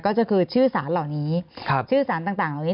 ก็คือชื่อสารเหล่านี้ชื่อสารต่างเหล่านี้